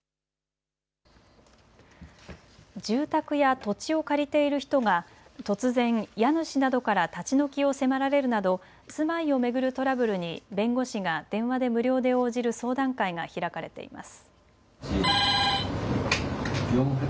住宅や土地を借りている人が突然家主などから立ち退きを迫られるなど住まいを巡るトラブルに弁護士が電話で無料で応じる相談会が開かれています。